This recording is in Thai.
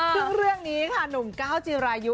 ซึ่งเรื่องนี้ค่ะหนุ่มก้าวจีรายุ